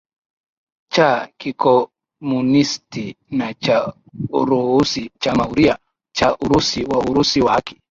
cha Kikomunisti cha Urusi Chama Huria cha Urusi na Urusi wa Haki